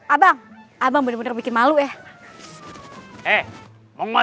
abang abang bener bener bikin malu ya